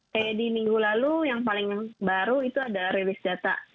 kayak di minggu lalu yang paling baru itu ada rilis data